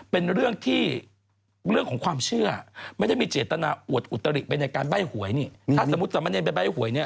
เป็นเรื่องที่เรื่องของความเชื่อไม่ได้มีเจตนาอวดอุตริไปในการใบ้หวยนี่